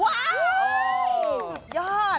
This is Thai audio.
สุดยอด